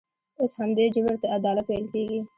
اوس همدې جبر ته عدالت ویل کېږي.